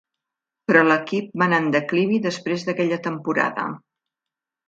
Però l'equip va anar en declivi després d'aquella temporada.